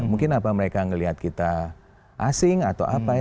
mungkin apa mereka melihat kita asing atau apa ya